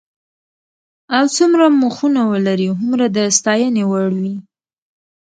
او څومره مخونه ولري هومره د ستاینې وړ وي.